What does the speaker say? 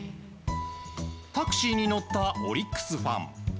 タクシーに乗ったオリックスファン。